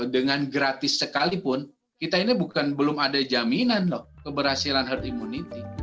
dengan gratis sekalipun kita ini bukan belum ada jaminan loh keberhasilan herd immunity